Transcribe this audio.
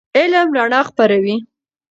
علم رڼا خپروي.